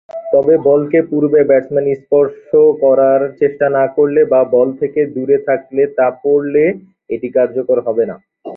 তবে বলকে পূর্বে ব্যাটসম্যান স্পর্শ করার চেষ্টা না করলে বা বল থেকে দূরে থাকলে তা পড়লে এটি কার্যকর হবে না।